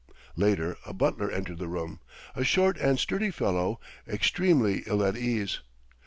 Later, a butler entered the room; a short and sturdy fellow, extremely ill at ease.